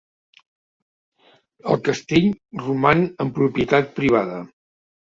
El castell roman en propietat privada.